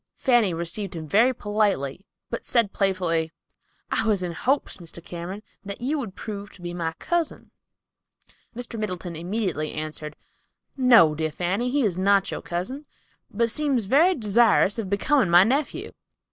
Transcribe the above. Fanny received him very politely, but said playfully, "I was in hopes, Mr. Cameron, that you would prove to be my cousin." Mr. Middleton immediately answered, "No, dear Fanny, he is not your cousin, but he seems very desirous of becoming my nephew."